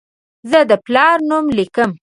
زه د پلار نوم لیکم.